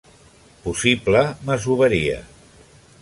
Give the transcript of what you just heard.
Possible masoveria.